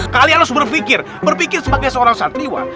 kalian harus berpikir berpikir sebagai seorang sattiwa